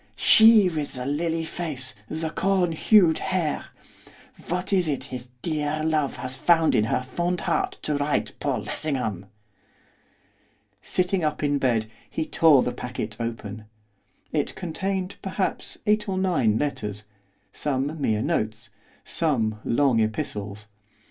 She with the lily face, the corn hued hair! What is it his dear love has found in her fond heart to write Paul Lessingham?' Sitting up in bed he tore the packet open. It contained, perhaps, eight or nine letters, some mere notes, some long epistles.